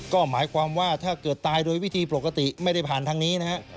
ก็หมายความว่าถ้าเกิดตายโดยวิธีปกติไม่ได้ผ่านทางนี้นะฮะ